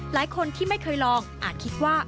หลายคนที่ไม่เคยลองอาจคิดว่า